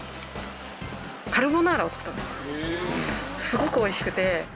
すごくおいしくて。